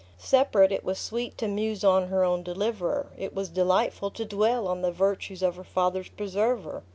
Separate, it was sweet to muse on her own deliverer; it was delightful to dwell on the virtues of her father's preserver.